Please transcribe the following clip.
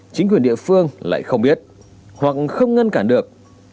chính quyền địa phương lại không biết hoặc không ngăn cản được